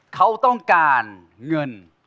เขาต้องการเงิน